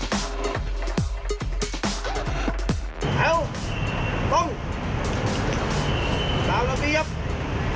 แล้วตรงตามระเบียบพัก